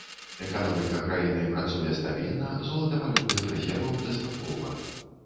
Эканоміка краіны працуе стабільна, золатавалютных рэзерваў дастаткова.